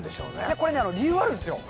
これね、理由があるんですよ。